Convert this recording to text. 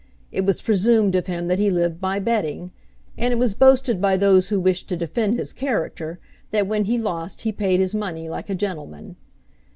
It was presumed of him that he lived by betting, and it was boasted by those who wished to defend his character that when he lost he paid his money like a gentleman.